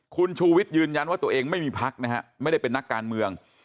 คุณชูวิทย์ยืนยันว่าตัวเองไม่มีพักนะฮะไม่ได้เป็นนักการเมือง